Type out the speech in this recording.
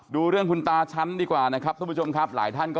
ดูเรื่องคุณตาชั้นดีกว่านะครับทุกผู้ชมครับหลายท่านก็